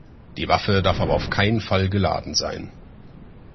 Die Waffe darf aber auf keinen Fall geladen sein.